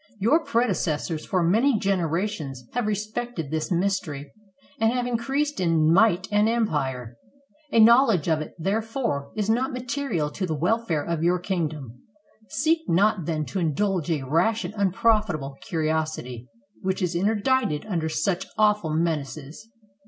Your predecessors for many generations have respected this mystery, and have increased in might and empire. A knowledge of it, therefore, is not material to the welfare of your kingdom. Seek not then to indulge a rash and unprofitable curiosity, which is interdicted under such awful menaces."